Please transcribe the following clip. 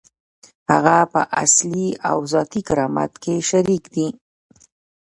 هغه په اصلي او ذاتي کرامت کې شریک دی.